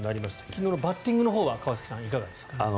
昨日のバッティングのほうは川崎さん、いかがですか。